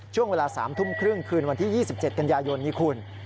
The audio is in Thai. ช่วงเวลา๓ทุ่มครึ่งคืนวันที่๒๗กันยายนนี่คุณ